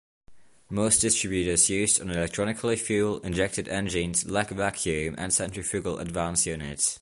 Most distributors used on electronically fuel injected engines lack vacuum and centrifugal advance units.